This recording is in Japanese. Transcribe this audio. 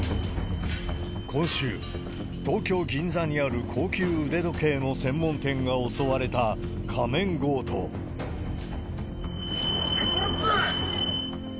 今週、東京・銀座にある高級腕時計の専門店が襲われた、仮面ぶっ殺すぞ！